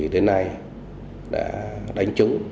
đến nay đã đánh trúng